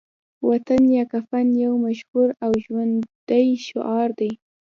وطن یا کفن يو مشهور او ژوندی شعار دی